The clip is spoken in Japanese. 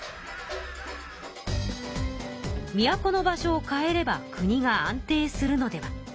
都の場所を変えれば国が安定するのでは？